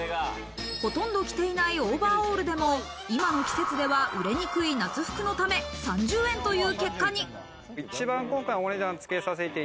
ほとんど着ていないオーバーオールでも今の季節では売れにくい夏服のため、３０円という結果に。